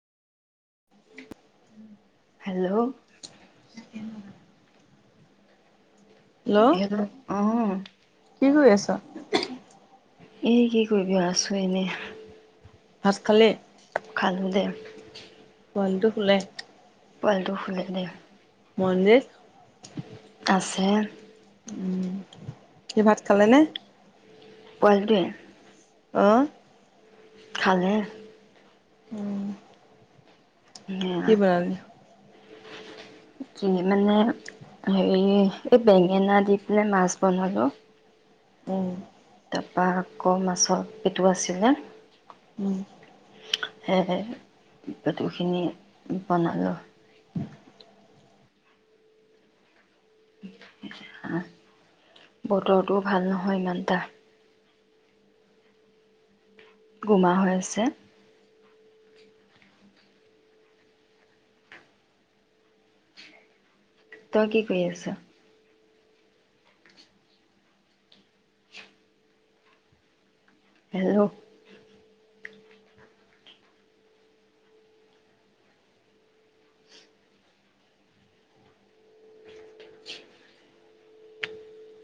Hello hello, কি কৰি আছ? এই কি কৰিবি আছোঁ এনেই। ভাত খালি? খালো দে। পোৱালিটো খুলে? পোৱালিটো খুলে দে। মঞ্জিছ আছে। হেহ উম', সি ভাত খালে নে? কল দি। অহ', খালে। উম', নেৱা কি বনালি? কি মানে, হেৰি এই বেঙেনা দি পিনে মাছ বনালো। উম', তাৰপৰা আকৌ মাছৰ পেটু আছিলে। উম', সেয়েহে পটুখিনি বনালোঁ। বতৰটো ভাল নহয় ইমানটা। গোমা হৈ আছে। তই কি কৰি আছ? হেল্ল',